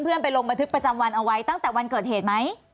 ไปลงบันทึกประจำวันเอาไว้ตั้งแต่วันเกิดเหตุไหม